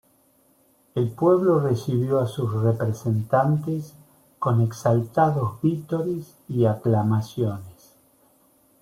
El pueblo recibió a sus representantes con exaltados vítores y aclamaciones.